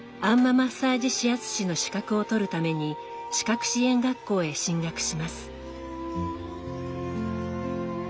マッサージ指圧師の資格を取るために視覚支援学校へ進学します。